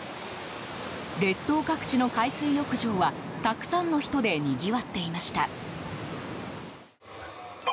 列島各地の海水浴場はたくさんの人でにぎわっていました。